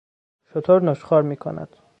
شتر نشخوار میکند.